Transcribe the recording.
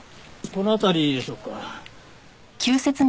この辺りでしょうか。